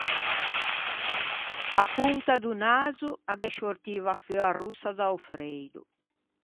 A ponta do naso a ghe sciortiva feua rossa da-o freido.